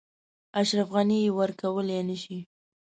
اشرف غني یې ورکولای نه شي.